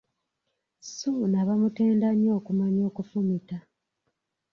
Ssuuna bamutenda nnyo okumanya okufumita.